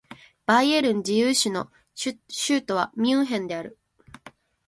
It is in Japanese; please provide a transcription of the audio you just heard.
バイエルン自由州の州都はミュンヘンである